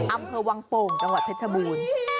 อำเภอวังโป่งจังหวัดเพชรบูรณ์